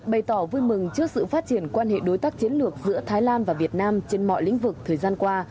bày tỏ vui mừng trước sự phát triển quan hệ đối tác chiến lược giữa thái lan và việt nam trên mọi lĩnh vực thời gian qua